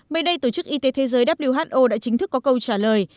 mới đây tổ chức y tế thế giới who đã chính thức có câu trả lời